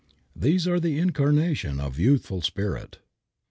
These are the incarnation of the youthful spirit.